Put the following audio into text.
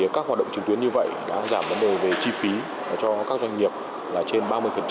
các hoạt động trực tuyến như vậy đã giảm vấn đề về chi phí cho các doanh nghiệp là trên ba mươi